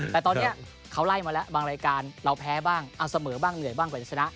แต่ตอนนี้เขาไล่มาแล้วบางรายการเราแพ้บ้างเอาเสมอบ้างเหนื่อยบ้างกว่าจะชนะ